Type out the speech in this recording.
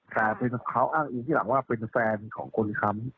แต่เขาอ้างอิงที่หลังว่าเป็นแฟนของคนค้ำ